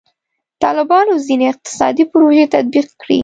طالبانو ځینې اقتصادي پروژې تطبیق کړي.